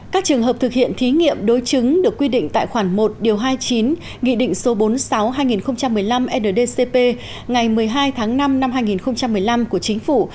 các trường hợp thực hiện thí nghiệm đối chứng được quy định tại khoản một điều hai mươi chín nghị định số bốn mươi sáu hai nghìn một mươi năm ndcp ngày một mươi hai tháng năm năm hai nghìn một mươi năm của chính phủ